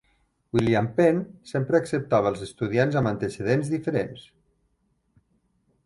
William Penn sempre acceptava als estudiants amb antecedents diferents.